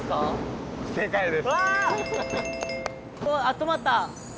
あっ止まった！